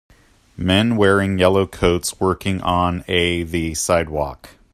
Men wearing yellow coats working on a the sidewalk.